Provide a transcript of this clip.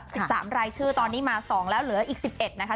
อีก๓รายชื่อตอนนี้มา๒แล้วเหลืออีก๑๑นะคะ